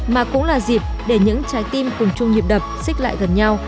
mà cũng là dịp để những trái tim cùng chung nhịp đập xích lại gần nhau